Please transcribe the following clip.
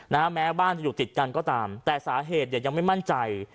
แม้บ้านจะอยู่ติดกันก็ตามแต่สาเหตุเนี่ยยังไม่มั่นใจ